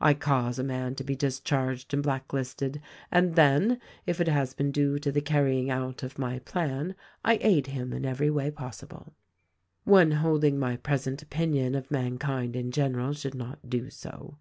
I cause a man to be discharged and blacklisted and then, if it has been due to the carrying out of my plan, I aid him in every way possible. One holding my present opinion of mankind in general should not do so.